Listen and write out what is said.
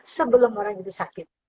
sebelum orang itu sakit